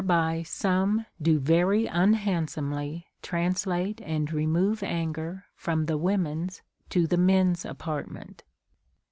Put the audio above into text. by some do very unhandsomely translate and remove anger from the Avomen's to the men's apartment.